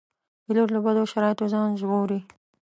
پیلوټ له بدو شرایطو ځان ژغوري.